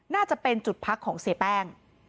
น่าจะเป็นจุดพักของเสียแป้ง